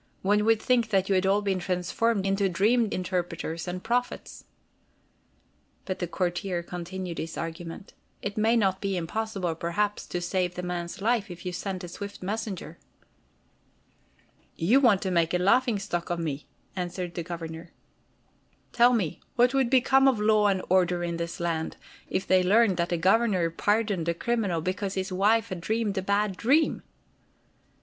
One would think that you had all been transformed into dream interpreters and prophets." But the courtier continued his argument: "It may not be impossible, perhaps, to save the man's life, if you sent a swift messenger." "You want to make a laughing stock of me," answered the Governor. "Tell me, what would become of law and order in this land, if they learned that the Governor pardoned a criminal because his wife has dreamed a bad dream?"